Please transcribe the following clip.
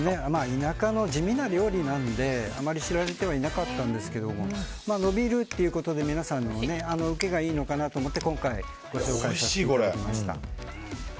田舎の地味な料理なのであまり知られてはいなかったんですけど伸びるということで皆さんの受けがいいのかなと思って今回ご紹介させていただきました。